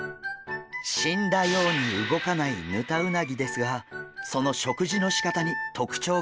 死んだように動かないヌタウナギですがその食事のしかたに特徴があるといいます。